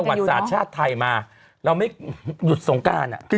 ประวัติศาสตร์ชาติไทยมาเราไม่หยุดสงการอ่ะ